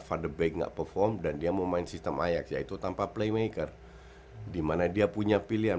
fadabank ngeperform dan dia mau main sistem ayat yaitu tanpa playmaker dimana dia punya pilihan